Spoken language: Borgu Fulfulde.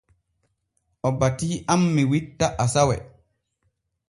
O batii am mi witta asawe.